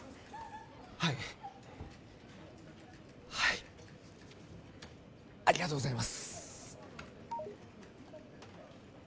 はいはいありがとうございます